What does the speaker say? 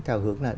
theo hướng là